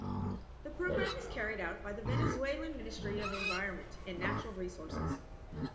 The program is carried out by the Venezuelan Ministry of Environment and Natural Resources.